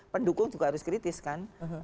pendukung juga harus kritis kan